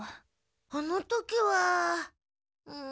あの時はん。